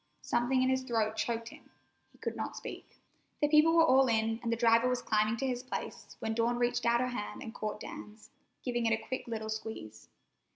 Something in his throat choked him. He could not speak. The people were all in, and the driver was climbing to his place, when Dawn reached out her hand and caught Dan's, giving it a quick little squeeze.